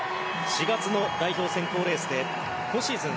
４月の代表選考レースで今シーズン